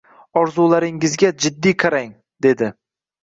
Orzularingizga jiddiy qarang dedi.